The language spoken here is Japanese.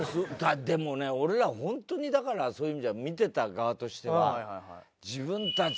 でもね俺らホントにだからそういう意味では見てた側としては。